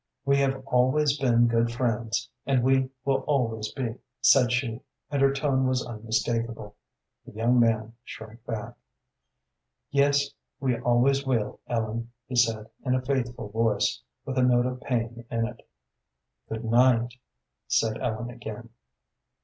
"We have always been good friends, and we always will be," said she, and her tone was unmistakable. The young man shrank back. "Yes, we always will, Ellen," he said, in a faithful voice, with a note of pain in it. "Good night," said Ellen again.